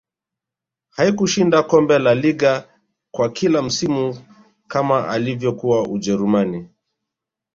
haikushinda kombe lalaliga kwa kila msimu kama alivyokuwa ujerumani